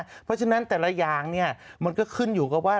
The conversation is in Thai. เพราะฉะนั้นแต่ละอย่างเนี่ยมันก็ขึ้นอยู่กับว่า